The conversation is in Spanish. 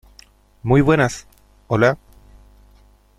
muy buenas. hola .